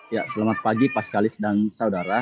ya selamat pagi pak sekali dan saudara